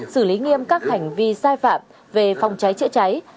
xử lý nghiêm các hành vi sai phạm về phòng cháy chữa cháy